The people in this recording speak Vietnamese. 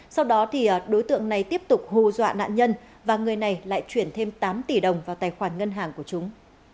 sau đó thì đối tượng này tiếp tục hù dọa nạn nhân và người này lại chuyển thêm tám tỷ đồng vào tài khoản ngân hàng của chúng